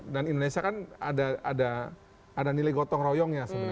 dan indonesia kan ada nilai gotong royongnya sebenarnya